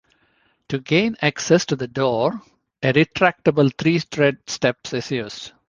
To gain access to the door a retractable three-tread steps is used.